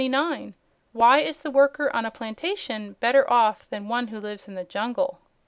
Why is the worker on a plantation better off than one who lives in the jungle?